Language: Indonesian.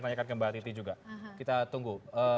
tanyakan ke mbak titi juga kita tunggu